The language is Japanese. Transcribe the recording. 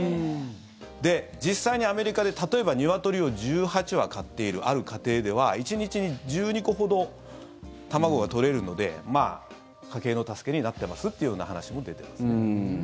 で、実際にアメリカで例えば、ニワトリを１８羽飼っているある家庭では１日に１２個ほど卵が取れるので家計の助けになってますっていうような話も出てますね。